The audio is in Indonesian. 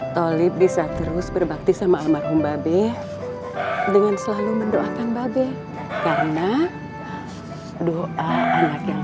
talib bisa terus berbakti sama almarhum babe dengan selalu mendoakan babe karena doa anak yang